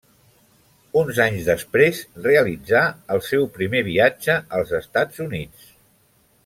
Uns anys després realitzà el seu primer viatge als Estats Units.